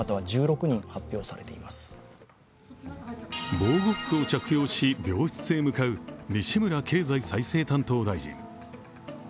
防護服を着用し病室へ向かう西村経済再生担当大臣。